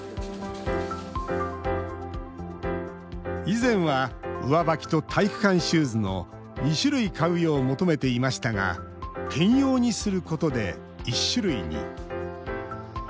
以前は上履きと体育館シューズの２種類買うよう求めていましたが兼用にすることで１種類に。